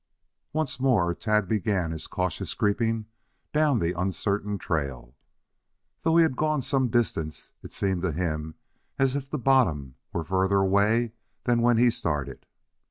Once more Tad began his cautious creeping down the uncertain trail. Though he had gone some distance, it seemed to him as if the bottom were further away than when he started.